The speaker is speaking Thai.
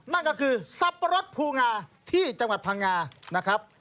นั่นก็คือสับปะรดภูงาที่จังหวัดพังงานะครับ